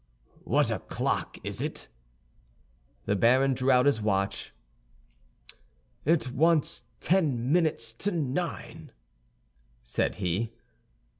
"What o'clock is it?" The baron drew out his watch. "It wants ten minutes to nine," said he.